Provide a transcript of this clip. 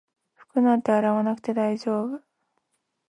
服なんて洗わなくて大丈夫